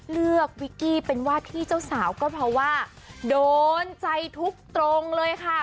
เลือกวิกกี้เป็นวาดที่เจ้าสาวก็เพราะว่าโดนใจทุกตรงเลยค่ะ